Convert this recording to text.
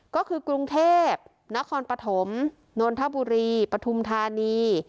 ก็คือกรุงเทพนครปฐมนนทบุรีปฐุมธานี